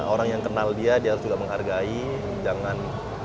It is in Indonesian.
orang yang kenal dia dia harus juga menghargai jangan